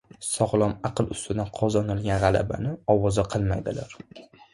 — Sog‘lom aql ustidan qozonilgan g‘alabani ovoza qilmaydilar.